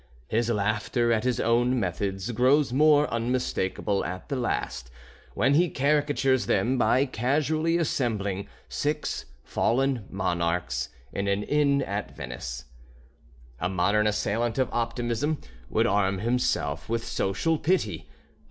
His laughter at his own methods grows more unmistakable at the last, when he caricatures them by casually assembling six fallen monarchs in an inn at Venice. A modern assailant of optimism would arm himself with social pity.